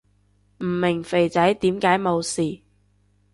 唔明肥仔點解冇事